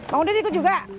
mau den ikut juga